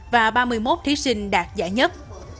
và ba mươi một thí sinh đạt giải nhất